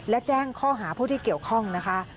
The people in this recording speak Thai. และแจ้งข้อหาผู้ที่เกี่ยวข้องนะคะ